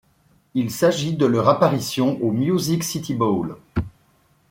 Il s'agit de leur apparition au Music City Bowl.